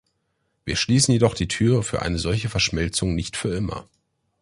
Wir schließen jedoch die Tür für eine solche Verschmelzung nicht für immer.